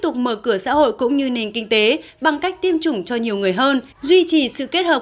tục mở cửa xã hội cũng như nền kinh tế bằng cách tiêm chủng cho nhiều người hơn duy trì sự kết hợp